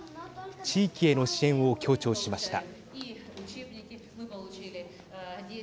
地域への支援を強調しました。